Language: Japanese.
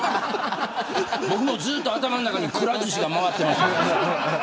僕ずっと、頭の中にくら寿司が回ってます。